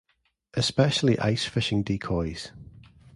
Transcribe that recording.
Especially ice fishing decoys.